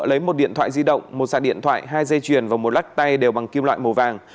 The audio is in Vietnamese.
lấy một điện thoại di động một sạc điện thoại hai dây chuyền và một lắc tay đều bằng kim loại màu vàng